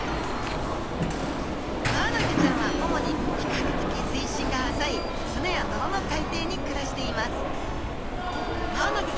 マアナゴちゃんは主にひかくてき水深が浅い砂や泥の海底に暮らしています